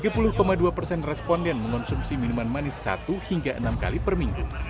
tiga puluh dua persen responden mengonsumsi minuman manis satu hingga enam kali per minggu